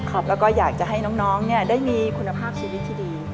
แล้วก็อยากจะให้น้องได้มีคุณภาพชีวิตที่ดี